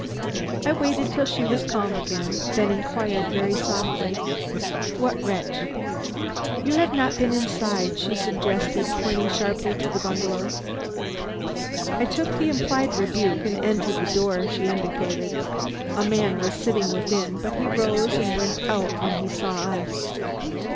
I waited till she was calm again, then I inquired very softly: "What wretch?" "You have not been inside," she suggested, pointing sharply to the bungalow. I took the implied rebuke and entered the door she indicated. A man was sitting within, but he rose and went out when he saw us.